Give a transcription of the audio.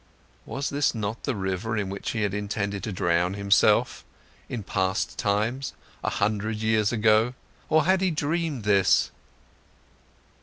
Was this not the river in which he had intended to drown himself, in past times, a hundred years ago, or had he dreamed this?